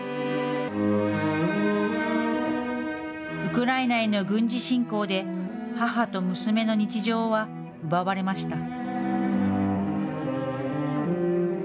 ウクライナへの軍事侵攻で母と娘の日常は奪われました。